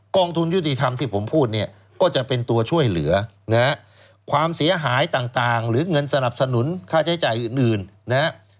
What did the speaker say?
กองทุนยุติธรรมที่ผมพูดเนี่ยก็จะเป็นตัวช่วยเหลือนะฮะความเสียหายต่างหรือเงินสนับสนุนค่าใช้จ่ายอื่นนะฮะ